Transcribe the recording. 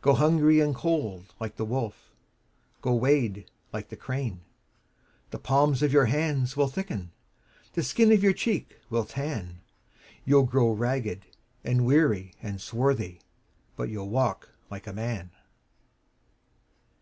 Go hungry and cold like the wolf, Go wade like the crane:The palms of your hands will thicken, The skin of your cheek will tan, You 'll grow ragged and weary and swarthy, But you 'll walk like a man!